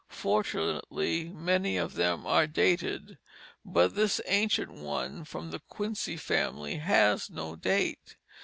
Fortunately, many of them are dated, but this ancient one from the Quincy family has no date.